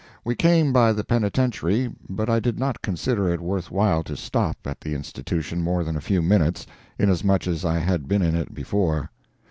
We came by the penitentiary, but I did not consider it worth while to stop at the institution more than a few minutes, inasmuch as I had been in it before.